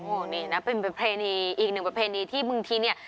โอ้โหนี่นะเป็นประเพณีอีกหนึ่งประเพณีที่บางทีเนี่ย